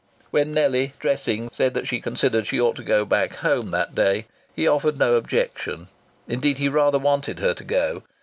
When Nellie, dressing, said that she considered she ought to go back home that day, he offered no objection. Indeed he rather wanted her to go.